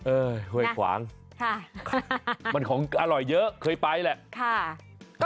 เอ้ยเฮ้ยขวางมันของอร่อยเยอะเคยไปแหละค่ะนะค่ะ